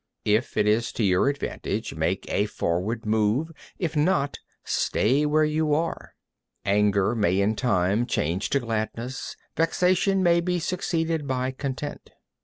19. If it is to your advantage, make a forward move; if not, stay where you are. 20. Anger may in time change to gladness; vexation may be succeeded by content.